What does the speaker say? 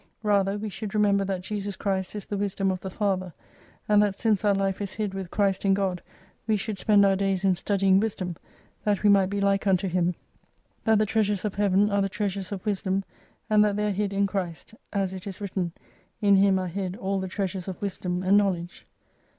Rather we should remember that Jesus Christ is the Wisdom of the Father, and that since our life is hid with Christ in God, we should spend our days in studying "Wisdom, that we might be like unto Him : that the treasures of Heaven are the treasures of Wisdom, and that they are hid in Christ. As it is written, In Him are hid all the treasures of Wisdom and Knowledge.